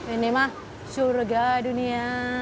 ini mah surga dunia